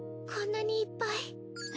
こんなにいっぱい。